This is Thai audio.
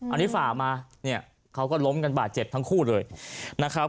อันนี้ฝ่ามาเนี่ยเขาก็ล้มกันบาดเจ็บทั้งคู่เลยนะครับ